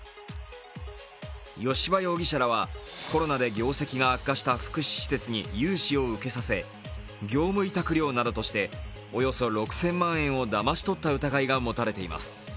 吉羽容疑者らは、コロナで業績が悪化した福祉施設に融資を受けさせ、業務委託料などとしておよそ６０００万円をだまし取った疑いが持たれています。